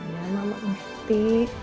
ya mama ngerti